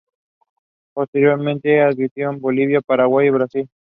Posteriormente adhirieron Bolivia, Paraguay y Brasil.